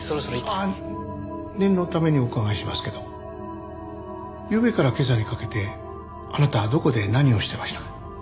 ああ念のためにお伺いしますけどゆうべから今朝にかけてあなたはどこで何をしてましたか？